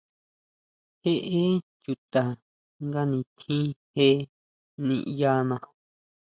Jeʼe chuta nga nitjín je niʼyana.